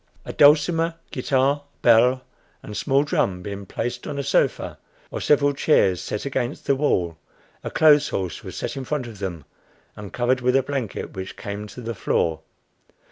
A dulcimer, guitar, bell, and small drum being placed on a sofa or several chairs set against the wall, a clothes horse was set in front of them and covered with a blanket, which came to the floor.